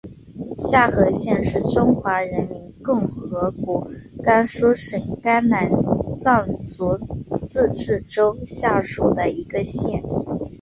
夏河县是中华人民共和国甘肃省甘南藏族自治州下属的一个县。